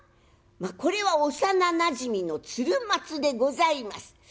これは幼なじみの鶴松でございます。